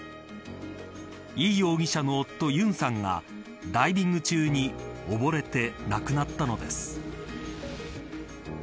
イ容疑者の夫ユンさんがダイビング中におぼれて亡くなったのです。